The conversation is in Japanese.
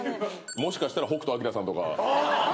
もしかしたら北斗晶さんとか。